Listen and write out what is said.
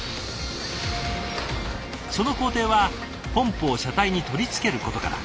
その工程はポンプを車体に取り付けることから。